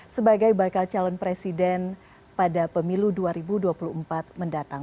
sebagai bakal calon presiden pada pemilu dua ribu dua puluh empat mendatang